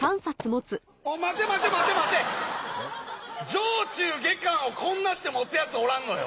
上・中・下巻をこんなして持つやつおらんのよ。